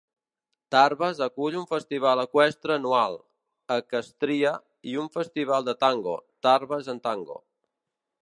Tarbes acull un festival eqüestre anual, Equestria, i un festival de tango, Tarbes en Tango.